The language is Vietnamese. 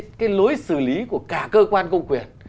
cái lối xử lý của cả cơ quan công quyền